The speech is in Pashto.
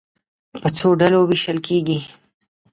په څو ډلو وېشل کېږي.